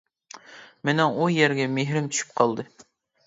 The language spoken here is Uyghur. مېنىڭ ئۇ يەرگە مېھرىم چۈشۈپ قالدى.